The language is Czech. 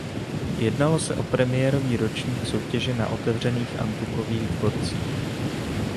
Jednalo se o premiérový ročník soutěže na otevřených antukových dvorcích.